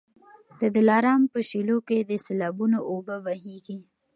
د دلارام په شېلو کي د سېلابونو اوبه بهیږي.